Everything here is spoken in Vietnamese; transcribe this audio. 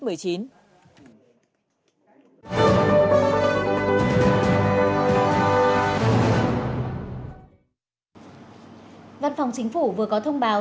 văn phòng chính phủ vừa có thông báo